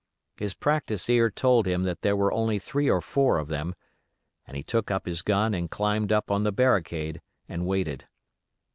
His practised ear told him that there were only three or four of them, and he took up his gun and climbed up on the barricade and waited.